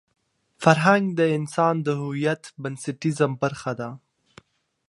فرهنګ د انسان د هویت بنسټیزه برخه ده.